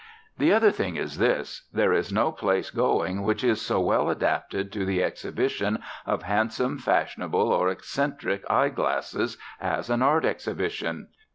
The other thing is this: There is no place going which is so well adapted to the exhibition of handsome, fashionable, or eccentric eye glasses as an art exhibition.